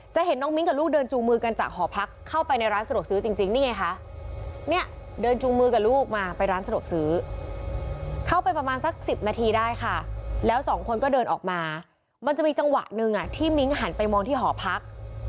เห็นน้องมิ้งกับลูกเดินจูงมือกันจากหอพักเข้าไปในร้านสะดวกซื้อจริงนี่ไงคะเนี่ยเดินจูงมือกับลูกมาไปร้านสะดวกซื้อเข้าไปประมาณสัก๑๐นาทีได้ค่ะแล้วสองคนก็เดินออกมามันจะมีจังหวะหนึ่งที่มิ้งหันไปมองที่หอพัก